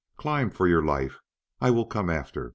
Climb for your life! I will come after.